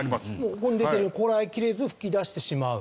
ここに出てる「こらえきれず吹き出してしまう」。